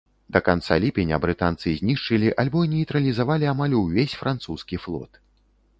Да канца ліпеня брытанцы знішчылі альбо нейтралізавалі амаль увесь французскі флот.